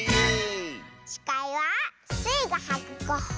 しかいはスイがはくゴッホ。